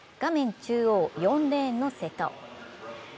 中央４レーンの瀬戸。